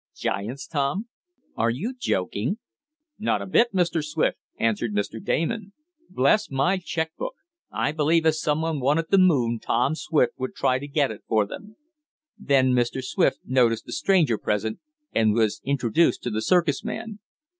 "Giants, Tom? Are you joking?" "Not a bit of it, Mr. Swift," answered Mr. Damon. "Bless my check book! I believe if some one wanted the moon Tom Swift would try to get it for them." Then Mr. Swift noticed the stranger present, and was introduced to the circus man.